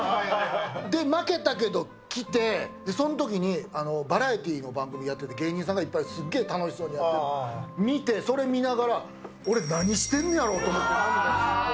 で、負けたけど来て、そのときにバラエティーの番組やってて、芸人さんがいっぱい、すげえ楽しそうに、見て、それ見ながら、俺、なにしてんねやろと思って、涙が。